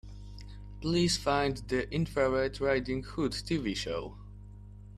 Please find the Infrared Riding Hood TV show.